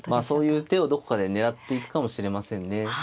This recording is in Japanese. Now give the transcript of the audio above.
そういう手をどこかで狙っていくかもしれませんね。